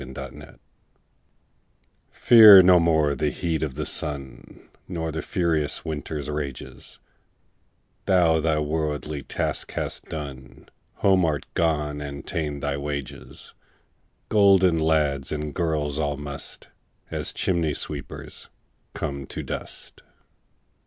Fidele FEAR no more the heat o' the sun, Nor the furious winter's rages; Thou thy worldly task hast done, Home art gone, and ta'en thy wages: Golden lads and girls all must, As chimney sweepers, come to dust.